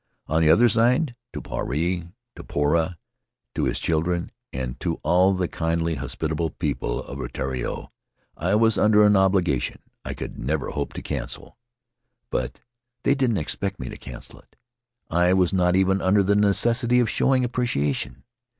On the other side, to Puarei, to Poura, to his children, and to all the kindly, hospitable people of Rutiaro I was under an obligation which I could never hope to cancel. A Debtor of Moy Ling But they didn't expect me to cancel it. I was not even under the necessity of showing appreciation.